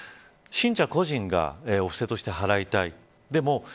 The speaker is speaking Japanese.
問題は、信者個人がお布施として払いたい。